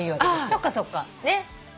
そっかそっか。